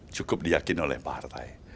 cukup diyakin oleh partai